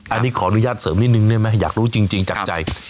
อันนี้ขออนุญาตเสริมสิ่งหนึ่งเลยนะเด้วแม่แม่อยากรู้จริงจากใจ